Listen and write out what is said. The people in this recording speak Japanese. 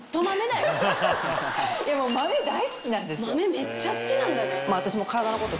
めっちゃ好きなんだね。